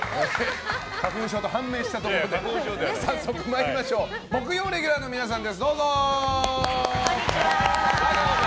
花粉症と判明したところで早速、木曜レギュラーの皆さんです。